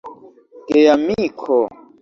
geamiko